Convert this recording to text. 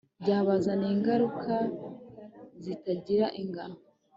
byabazaniye ingaruka zitagira ingano